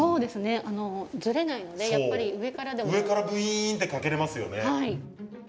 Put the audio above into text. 上からブイーンってかけれますよね。